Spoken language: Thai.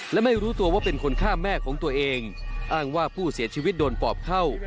และไม่รู้ตัวว่าเป็นคนฆ่าแม่ของตัวเองอ้างว่าผู้เสียชีวิตโดนปอบเข้า